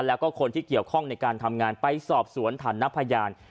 แล้วก็คนที่เกี่ยวข้องในการทำงานไปสอบสวนฐานะพยาน